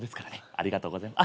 ありがとうございます。